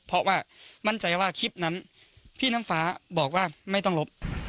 เพราะว่ามั่นใจว่าคลิปนั้นพี่น้ำฟ้าบอกว่าไม่ต้องลบ